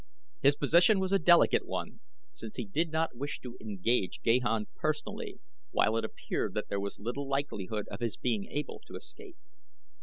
His position was a delicate one, since he did not wish to engage Gahan personally, while it appeared that there was little likelihood of his being able to escape.